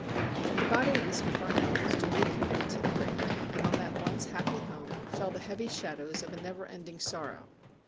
The body of Mr. Farnell was duly committed to the grave, and on that once happy home fell the heavy shadows of a never ending sorrow.